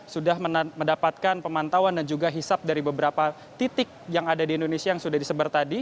sudah mendapatkan pemantauan dan juga hisap dari beberapa titik yang ada di indonesia yang sudah disebar tadi